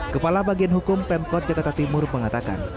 kepala bagian hukum pemkot jakarta timur mengatakan